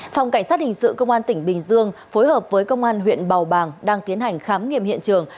phòng cảnh sát hình sự công an tỉnh bình dương phối hợp với công an huyện bào bàng đang tiến hành khám nghiệm hiện trường